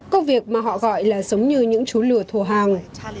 công việc mà họ gọi là giống như những chú lửa thù hàng